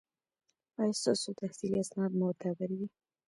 ایا ستاسو تحصیلي اسناد معتبر دي؟